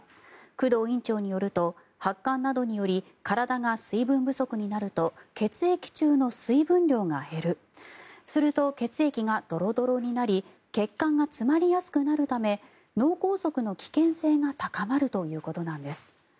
工藤院長によると発汗などにより体が水分不足になると血液中の水分量が減るすると血液がドロドロになり血管が詰まりやすくなるため脳梗塞の危険性が高まるということなんです。